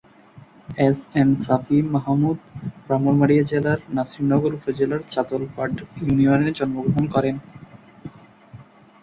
S, M, Shafi Mahmud Brahmanbaria জেলার নাসিরনগর উপজেলার চাতলপাড় ইউনিয়নে জন্মগ্রহণ করেন।